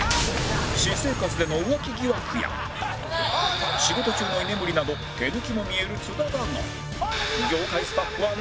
私生活での浮気疑惑や仕事中の居眠りなど手抜きも見える津田だが